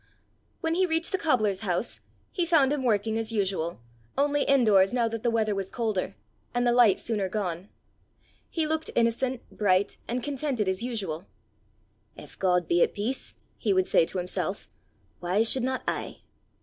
When he reached the cobbler's house, he found him working as usual, only in doors now that the weather was colder, and the light sooner gone. He looked innocent, bright, and contented as usual. "If God be at peace," he would say to himself, "why should not I?"